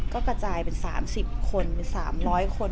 ก็กระจายเป็นสามสิบคนเป็นสามร้อยคน